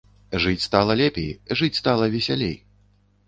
Жыць стала лепей, жыць стала весялей!